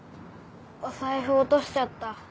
お財布落としちゃった。